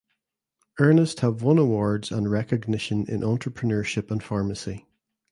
Ernest have won awards and recognition in entrepreneurship and pharmacy.